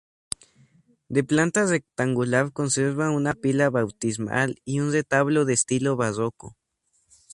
De planta rectangular, conserva una pila bautismal y un retablo de estilo barroco.